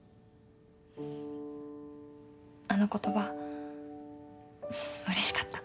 あの言葉うれしかった。